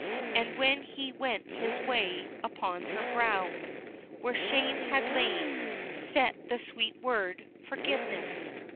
And when He went His way, upon her brow Where shame had lain, set the sweet word, Forgiveness.